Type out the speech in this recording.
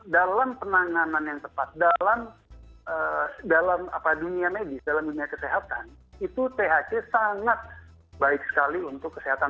dalam penanganan yang tepat dalam dunia medis dalam dunia kesehatan itu thc sangat baik sekali untuk kesehatan